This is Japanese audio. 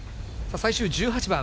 最終１８番。